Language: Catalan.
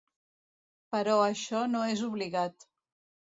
Però això no és obligat.